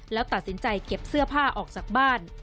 แล้วตัดสินใจเก็บเสื้อผ้าออกจากบ้าน